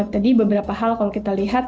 tadi beberapa hal kalau kita lihat